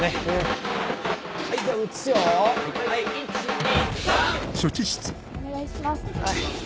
お願いします。